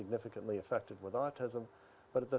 dan apa kesulitan yang kamu hadapi